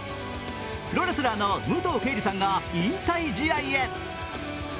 プロレスラーの武藤敬司さんが引退試合へ。